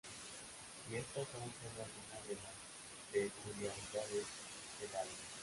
Y estas son sólo algunas de las peculiaridades del álbum.